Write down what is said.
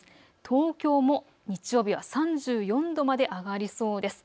東京も日曜日は３４度まで上がりそうです。